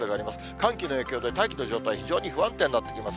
寒気の影響で、大気の状態、非常に不安定になってきます。